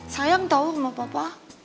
sayang tau mama pake nanya segala